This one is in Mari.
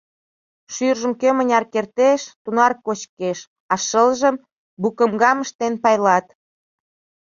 Шӱржым кӧ мыняр кертеш, тунар кочкеш, а шылжым, «букымгам» ыштен пайлат.